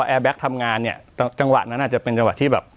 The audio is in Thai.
แอร์แก๊กทำงานเนี่ยจังหวะนั้นอาจจะเป็นจังหวะที่แบบ